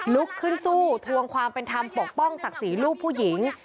ลุกขึ้นสู้ทวงความเป็นธรรมปกป้องศักดิ์ศรีลูกผู้หญิง